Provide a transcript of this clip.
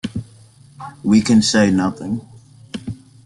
We can say nothing.